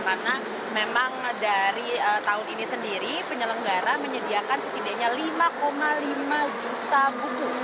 karena memang dari tahun ini sendiri penyelenggara menyediakan sekindanya lima lima juta buku